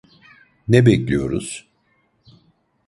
Ne bekliyoruz?